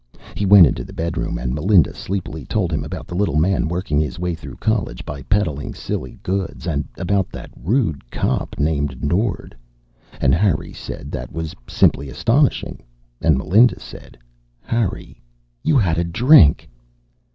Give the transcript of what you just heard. He went into the bedroom and Melinda sleepily told him about the little man working his way through college by peddling silly goods, and about that rude cop named Nord, and Harry said that was simply astonishing and Melinda said, "Harry, you had a drink!"